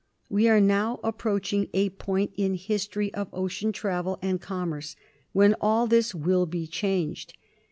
We are now approaching a point in the history of ocean travel and commerce when all this will be changed.